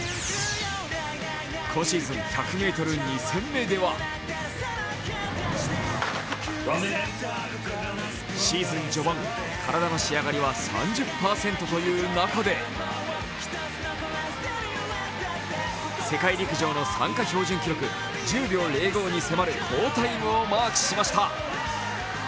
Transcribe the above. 今シーズン１００ｍ２戦目ではシーズン序盤、体の仕上がりは３０％という中で世界陸上の参加標準記録１０秒０５に迫る好タイムをマークしました。